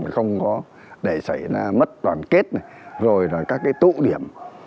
không có để xảy ra mất toàn kết rồi các tụ điểm